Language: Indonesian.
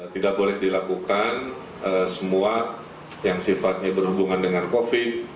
tidak boleh dilakukan semua yang sifatnya berhubungan dengan covid